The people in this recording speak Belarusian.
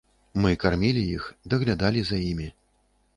Мы кармілі іх, даглядалі за імі.